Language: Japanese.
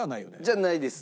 じゃないです。